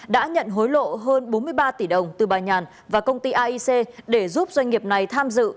đã nhận hối lộ hơn bốn mươi ba tỷ đồng từ bà nhàn và công ty aic để giúp doanh nghiệp này tham dự